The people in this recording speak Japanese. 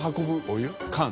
お湯？